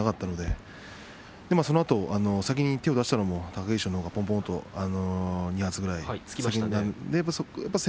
そのあと先に手を出したのも貴景勝ですしぼんぼんと２発ぐらい突き放しましたね。